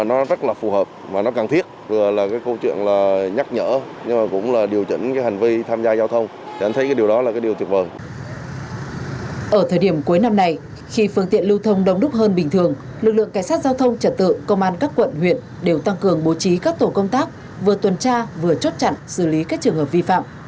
ở thời điểm cuối năm này khi phương tiện lưu thông đông đúc hơn bình thường lực lượng cảnh sát giao thông trật tự công an các quận huyện đều tăng cường bố trí các tổ công tác vừa tuần tra vừa chốt chặn xử lý các trường hợp vi phạm